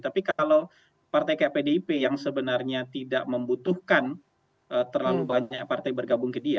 tapi kalau partai kayak pdip yang sebenarnya tidak membutuhkan terlalu banyak partai bergabung ke dia